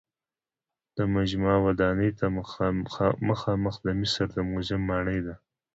د مجمع ودانۍ ته مخامخ د مصر د موزیم ماڼۍ ده.